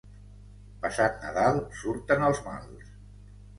Passat Nadal surten els mals.